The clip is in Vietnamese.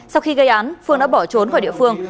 sau khi gây án phương đã bỏ trốn khỏi địa phương